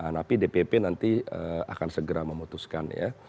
nanti dpp nanti akan segera memutuskan ya